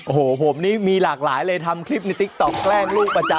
โอ้โหผมนี่มีหลากหลายเลยทำคลิปในติ๊กต๊อกแกล้งลูกประจำ